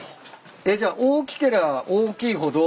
えっじゃあ大きけりゃ大きいほど。